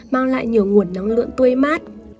mang lại nhiều nguồn năng lượng tươi mát